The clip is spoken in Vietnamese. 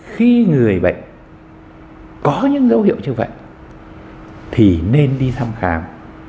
khi người bệnh có những dấu hiệu như vậy thì nên đi thăm khám